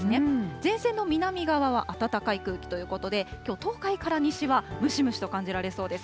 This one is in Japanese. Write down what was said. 前線の南側は暖かい空気ということで、きょう、東海から西はムシムシと感じられそうです。